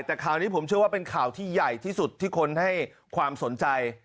แต่ข่าวนี้ผมเชื่อว่าเป็นข่าวที่ใหญ่ที่สุดที่คนให้ความสนใจ